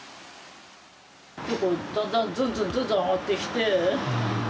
だんだんずんずん上がってきて。